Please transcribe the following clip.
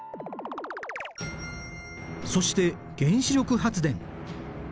そして原子力発電。